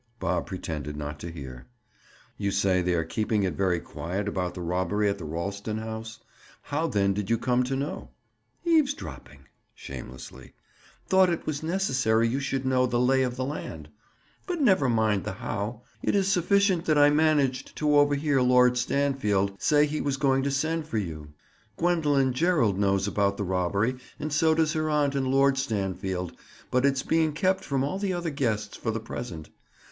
Bob pretended not to hear. "You say they are keeping it very quiet about the robbery at the Ralston house. How, then, did you come to know?" "Eavesdropping." Shamelessly. "Thought it was necessary you should know the 'lay of the land.' But never mind the 'how.' It is sufficient that I managed to overhear Lord Stanfield say he was going to send for you. Gwendoline Gerald knows about the robbery and so does her aunt and Lord Stanfield, but it's being kept from all the other guests for the present.